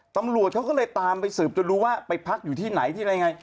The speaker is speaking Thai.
ตำรวจเขาก็เลยตามไปสืบจนรู้ว่าไปพักอยู่ที่ไหนที่อะไรยังไง